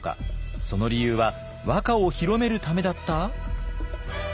その理由は和歌を広めるためだった？